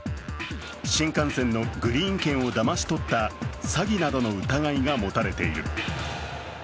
新幹線のグリーン券をだまし取った詐欺などの疑いが持たれている。